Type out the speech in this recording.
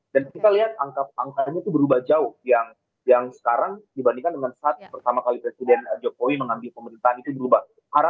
dan kita lihat angkanya itu berubah jauh yang sekarang dibandingkan dengan saat pertama kali presiden jokowi mengambil pemerintahan itu berubah